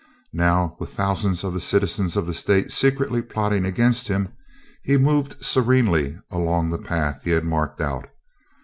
Now, with thousands of the citizens of the state secretly plotting against him, he moved serenely along the path he had marked out.